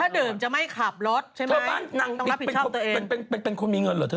ไปไหนอันลิสต์